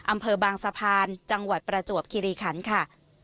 อำเภอบางสะพานจังหวัดประจวบคิริขันค่ะ